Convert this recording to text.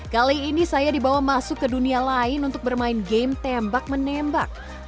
kali ini saya dibawa masuk ke dunia lain untuk bermain game tembak menembak